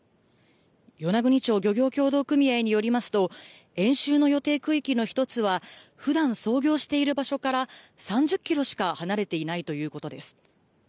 与那国町漁業協同組合によりますと、演習の予定区域の１つは、ふだん、操業している場所から３０キロしか離れていないということです。